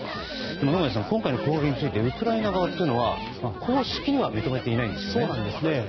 野上さん、今回の攻撃についてウクライナ側は公式には認めていないんですね。